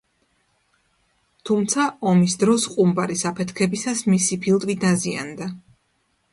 თუმცა, ომის დროს ყუმბარის აფეთქებისას, მისი ფილტვი დაზიანდა.